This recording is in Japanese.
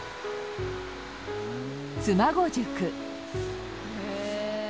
妻籠宿。